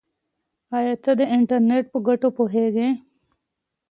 آیا ته د انټرنیټ په ګټو پوهېږې؟